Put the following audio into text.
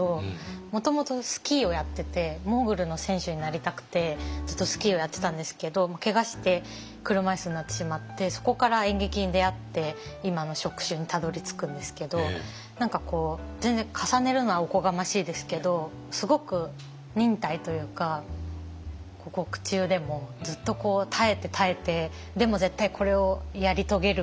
もともとスキーをやっててモーグルの選手になりたくてずっとスキーをやってたんですけどけがして車椅子になってしまってそこから演劇に出会って今の職種にたどりつくんですけど何かこう全然重ねるのはおこがましいですけどすごく忍耐というか獄中でもずっと耐えて耐えてでも絶対これをやり遂げる！